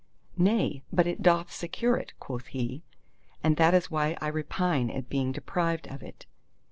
—"Nay, but it doth secure it," quoth he, "and that is why I repine at being deprived of it."